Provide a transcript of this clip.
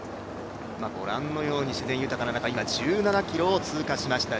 ごらんのように自然豊かな中１７ｋｍを通過しました